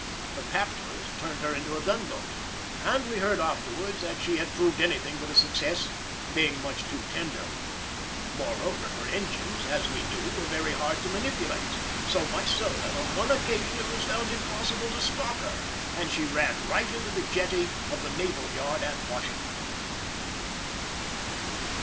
Her captors turned her into a gunboat; and we heard afterwards that she had proved anything but a success, being much too tender. Moreover her engines, as we knew, were very hard to manipulate, so much so that on one occasion it was found impossible to stop her, and she ran right into the jetty of the naval yard at Washington.